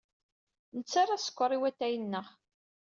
Nettarra askeṛ i watay-nneɣ.